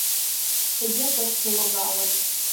Тыге тышке логалын.